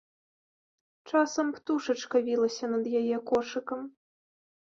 Часам птушачка вілася над яе кошыкам.